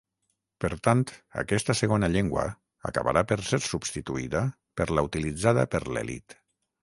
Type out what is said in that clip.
Per tant, aquesta segona llengua acabarà per ser substituïda per la utilitzada per l'elit.